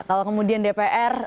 kalau kemudian dpr